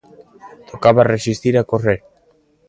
Tocaba resistir e correr.